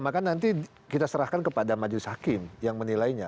ya maka nanti kita serahkan kepada maju sakin yang menilainya